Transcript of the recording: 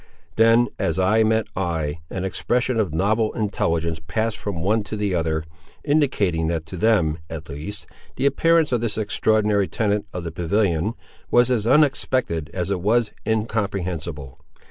Then, as eye met eye, an expression of novel intelligence passed from one to the other, indicating that to them, at least, the appearance of this extraordinary tenant of the pavilion was as unexpected as it was incomprehensible.